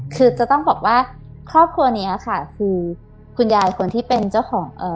คือจะต้องบอกว่าครอบครัวเนี้ยค่ะคือคุณยายคนที่เป็นเจ้าของเอ่อ